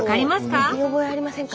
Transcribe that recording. スタジオ見覚えありませんか？